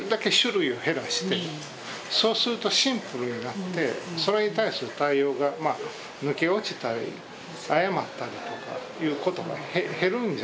そうするとシンプルになってそれに対する対応がまあ抜け落ちたり誤ったりとかっていうことが減るんじゃないか。